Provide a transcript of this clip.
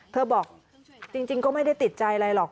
บอกจริงก็ไม่ได้ติดใจอะไรหรอก